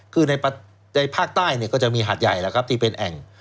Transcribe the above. คือในภาคใต้เนี่ยก็จะมีหาดใหญ่แล้วครับที่เป็นแอ่ง